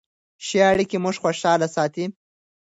ښه اړیکې موږ خوشحاله ساتي.